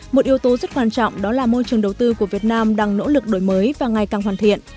một yếu tố rất quan trọng đó là môi trường đầu tư của việt nam đang nỗ lực đổi mới và ngày càng hoàn thiện